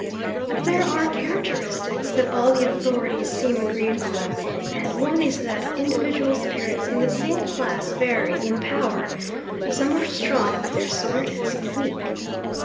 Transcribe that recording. There are characteristics that all the authorities seem agreed on, and one is that individual spirits in the same class vary in power: some are strong of their sort, some weak.